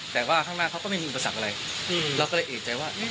แต่ว่าข้างหน้าเขาก็ไม่มีอุปสรรคอะไรเราก็เลยเอกใจว่า